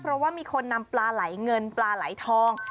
เพราะว่ามีคนนำปลาไหลเงินปลาไหลทอง